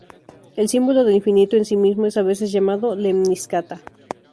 El símbolo del infinito en sí mismo es a veces llamado lemniscata.